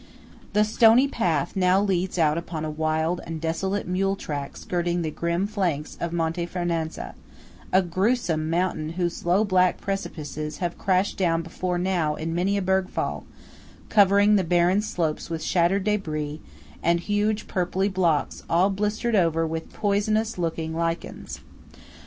The stony path now leads out upon a wild and desolate mule track skirting the grim flanks of Monte Fernazza–a gruesome mountain whose low black precipices have crashed down before now in many a bergfall, covering the barren slopes with shattered débris and huge purply blocks all blistered over with poisonous looking lichens.